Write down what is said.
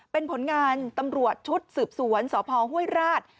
เป็นผลงานตำรวจชุดสืบสวนสพห้วยราช